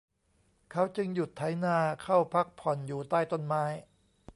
เขาจึงหยุดไถนาเข้าพักผ่อนอยู่ใต้ต้นไม้